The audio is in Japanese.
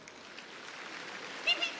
ピピッ！